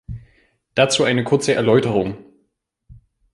Dazu eine kurze Erläuterung.